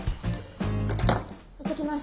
いってきます。